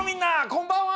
こんばんは！